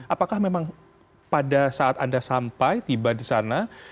apakah memang pada saat anda sampai tiba di sana